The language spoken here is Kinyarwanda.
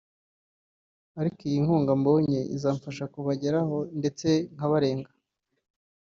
ariko iyi nkunga mbonye izamfasha kuba nabageraho ndetse nkabarenga